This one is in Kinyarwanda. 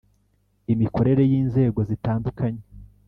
Imikorere y’ inzego zitandukanye